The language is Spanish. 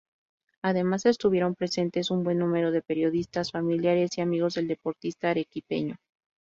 Además estuvieron presentes un buen número de periodistas, familiares y amigos del deportista arequipeño.